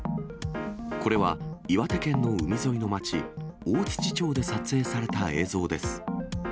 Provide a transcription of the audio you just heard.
これは岩手県の海沿いの町、大槌町で撮影された映像です。